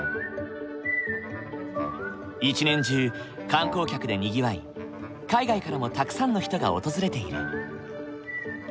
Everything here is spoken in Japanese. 一年中観光客でにぎわい海外からもたくさんの人が訪れている。